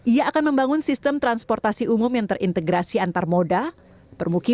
ia akan membangun sistem transportasi umum yang terintegrasi antar moda permukiman